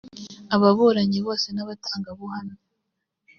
ababuranyi bose n abatangabuhamya